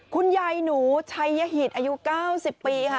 คุณยายหนูชัยยหิตอายุ๙๐ปีค่ะ